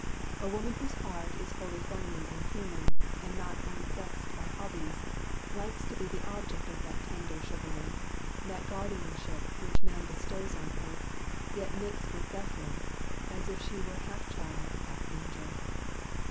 A woman Whose heart is wholly feminine and human, And not unsexed by hobbies, likes to be The object of that tender chivalry, That guardianship which man bestows on her, Yet mixed with deference; as if she were Half child, half angel.